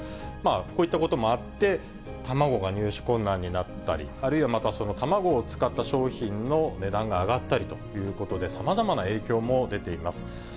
こういったこともあって、卵が入手困難になったり、あるいはまたその卵を使った商品の値段が上がったりということで、さまざまな影響も出ています。